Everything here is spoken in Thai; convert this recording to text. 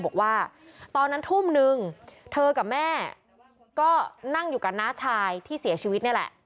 บอกว่าตอนนั้นทุ่มนึงเธอกับแม่ก็นั่งอยู่กับน้าชายที่เสียชีวิตนี่แหละ